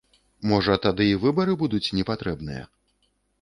Можа, тады і выбары будуць непатрэбныя?